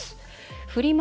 フリマ